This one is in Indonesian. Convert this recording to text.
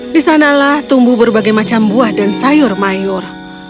di sanalah tumbuh berbagai macam buah dan sayur mayur